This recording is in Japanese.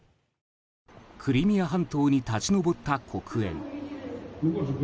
クリミア半島に立ち上った黒煙。